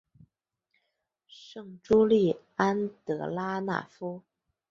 圣朱利安德拉讷夫。